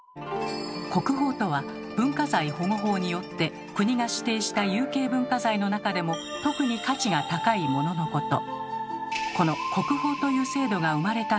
「国宝」とは文化財保護法によって国が指定した有形文化財の中でも特に価値が高いもののこと。